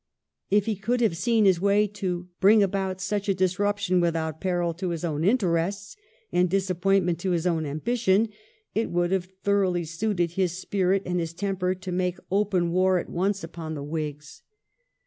If he could have seen his way to bring about such a disruption without peril to his own interests and dis appointment to his own ambition, it would have thoroughly suited his spirit and his temper to make open war at once upon the Whigs.